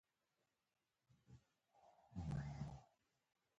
چې دوه موټره يې مخې ته راشنه شول.